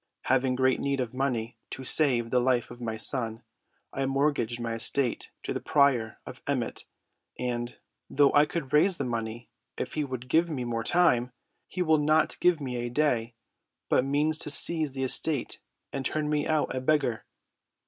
Having great need of money to save the life of my son, I mortgaged my estate to the prior of Emmet and, though I could raise the money if he would give me more time, he will not give me a day, but means to seize the estate and turn me out a beggar."